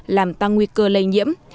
làm tăng nguy cơ lây nhiễm